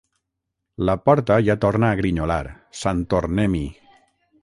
La porta ja torna a grinyolar. Sant tornem-hi!